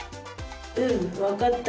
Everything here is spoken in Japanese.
うんわかった。